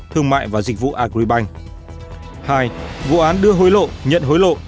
thương mại và dịch vụ agribank hai vụ án đưa hối lộ nhận hối lộ